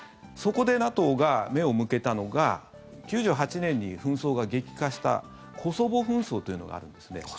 そこでＮＡＴＯが目を向けたのが９８年に紛争が激化したコソボ紛争というのがあるんですね。